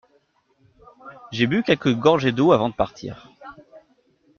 J’ai bu quelques gorgées d’eau avant de partir.